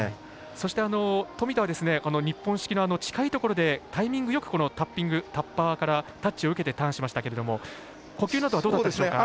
そして富田は日本式の近いところでタイミングよくタッパーからタッチを受けてターンしましたけども呼吸などはどうでしょうか。